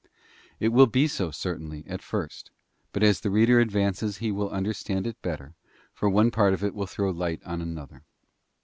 It will be so, certainly, at first, but as the reader advances he will understand it better, for one How part of it will throw light on another.